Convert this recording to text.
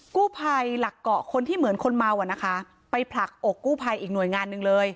กู้ภัยหลักเกาะคนที่เหมือนคนเมาอ่ะนะคะไปผลักอกกู้ภัยอีกหน่วยงานหนึ่งเลย